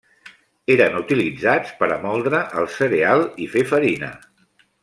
Eren utilitzats per a moldre el cereal i fer farina.